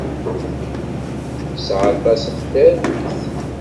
Yesɛa aṭas n tarmit.